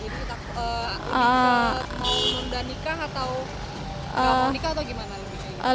ini mau nunda nikah atau nggak mau nikah atau gimana